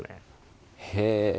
へえ！